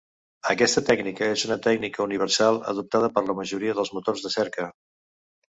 Aquesta tècnica és una tècnica universal adoptada per la majoria dels motors de cerca.